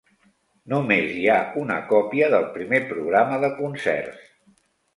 Només hi ha una còpia del primer programa de concerts.